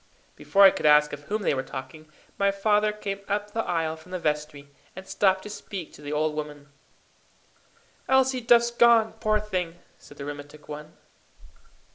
Before I could ask of whom they were talking, my father came up the aisle from the vestry, and stopped to speak to the old women. "Elsie Duff's gone, poor thing!" said the rheumatic one.